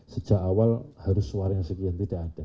sejak awal harus suara yang sekian tidak ada